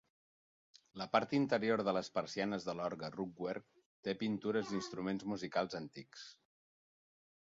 La part interior de les persianes de l'orgue "rugwerk" té pintures d'instruments musicals antics.